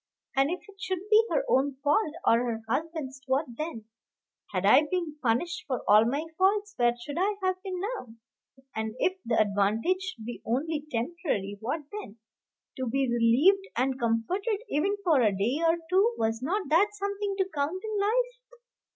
And if it should be her own fault, or her husband's what then? Had I been punished for all my faults, where should I have been now? And if the advantage should be only temporary, what then? To be relieved and comforted even for a day or two, was not that something to count in life?